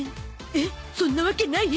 えっそんなわけない？